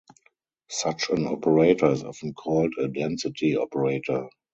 Such an operator is often called a "density operator".